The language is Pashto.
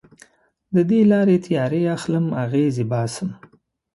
د دې لارې تیارې اخلم اغزې باسم